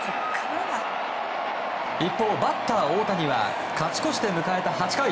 一方、バッター大谷は勝ち越して迎えた８回。